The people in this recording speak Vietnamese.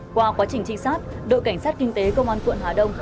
qua quá trình trinh sát đội cảnh sát kinh tế công an quận hà đông